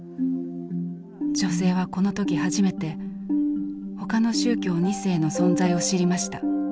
女性はこの時初めて他の宗教２世の存在を知りました。